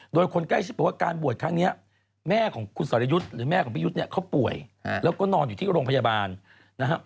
โดยคนใกล้ชิดบอกว่าการบวชครั้งนี้แม่ของคุณสรยุทธ์หรือแม่ของพี่ยุทธ์เนี่ยเขาป่วยแล้วก็นอนอยู่ที่โรงพยาบาลนะครับ